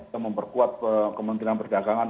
yang memperkuat kementerian perdagangan